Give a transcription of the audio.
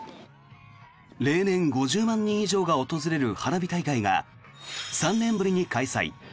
例年５０万人以上が訪れる花火大会が３年ぶりに開催。